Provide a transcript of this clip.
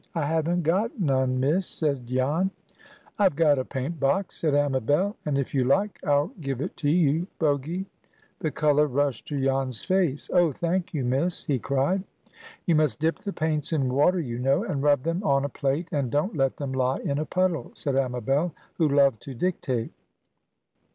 "I haven't got none, Miss," said Jan. "I've got a paint box," said Amabel. "And, if you like, I'll give it to you, Bogy." The color rushed to Jan's face. "Oh, thank you, Miss!" he cried. "You must dip the paints in water, you know, and rub them on a plate; and don't let them lie in a puddle," said Amabel, who loved to dictate.